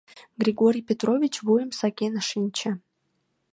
Григорий Петрович вуйым сакен шинче...